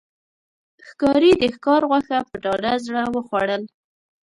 ښکاري د ښکار غوښه په ډاډه زړه وخوړل.